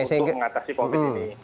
sehingga untuk mengatasi kondisi ini